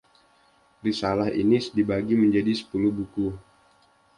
Risalah ini dibagi menjadi sepuluh buku.